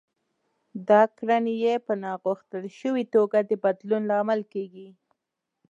دا کړنې يې په ناغوښتل شوې توګه د بدلون لامل کېږي.